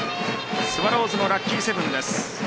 スワローズのラッキーセブンです。